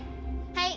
はい。